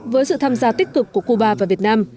với sự tham gia tích cực của cuba và việt nam